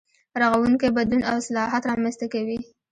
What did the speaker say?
رغونکی بدلون او اصلاحات رامنځته کوي.